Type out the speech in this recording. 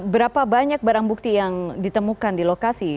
berapa banyak barang bukti yang ditemukan di lokasi